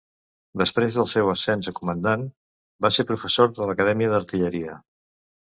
Després del seu ascens a comandant, va ser professor de l'acadèmia d'artilleria.